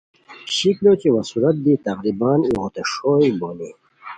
شکل وا صورت دی تقریباً ایغوت ݰوئے بونی